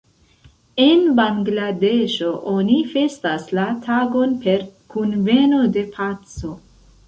En Bangladeŝo oni festas la tagon per Kunveno de Paco.